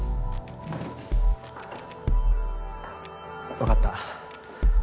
わかった。